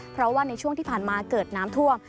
เพราะว่าในช่วงที่ผ่านมาเกิดน้ำท่วม